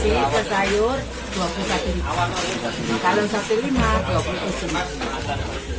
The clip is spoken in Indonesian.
kalau satu lima rp dua puluh